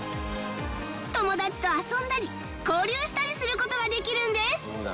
友達と遊んだり交流したりする事ができるんです